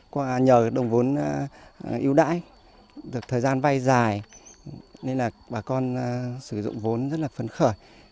qua nhờ đồng vốn yêu đãi được thời gian vay dài nên là bà con sử dụng vốn rất là phấn khởi